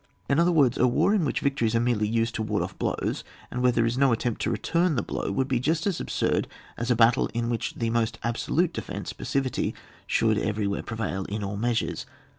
In other words : a war in which victories are merely used to ward off blows, and where there is no attempt to return the blow, would be just as absurd as a battle in which the most absolute defence (passivity) should every where prevail in all measures.